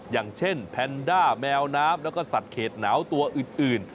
อย่างเช่นแพนด้าแมวน้ำแล้วก็สัตว์เขตหนาวตัวอื่น